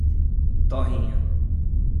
Torrinha